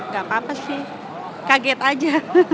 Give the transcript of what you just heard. gak apa apa sih kaget aja